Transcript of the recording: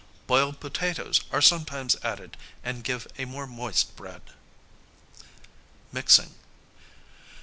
Boiled potatoes are sometimes added, and give a more moist bread. [Sidenote: Mixing.